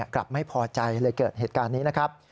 กลับไม่พอใจเลยเกิดเหตุการณ์นี้นะครับ